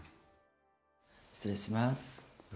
失礼します。